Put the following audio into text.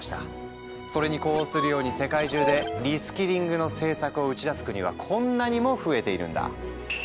それに呼応するように世界中でリスキリングの政策を打ち出す国はこんなにも増えているんだ。